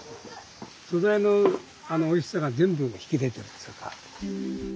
素材のおいしさが全部引き出てるっつか。